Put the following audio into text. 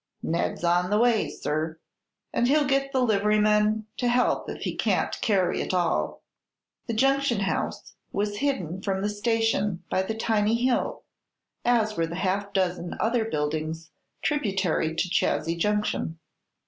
"Ned's on the way, sir; and he'll get the liveryman to help if he can't carry it all." The Junction House was hidden from the station by the tiny hill, as were the half dozen other buildings tributary to Chazy Junction.